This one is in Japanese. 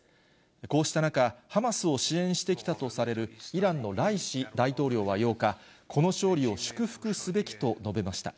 こうした中、ハマスを支援してきたとされるイランのライシ大統領は８日、この勝利を祝福すべきと述べました。